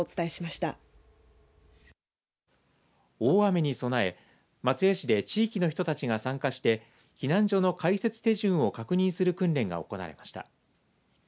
大雨に備え松江市で地域の人たちが参加して避難所の開設手順を確認する訓練が行われました。